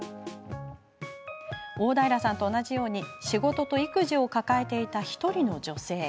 大平さんと同じように仕事と育児を抱えていた１人の女性。